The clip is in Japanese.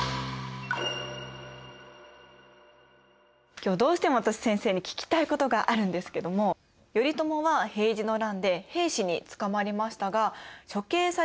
今日どうしても私先生に聞きたいことがあるんですけども頼朝は平治の乱で平氏に捕まりましたが処刑されずになぜ伊豆へ流刑だけで済んだんでしょうか？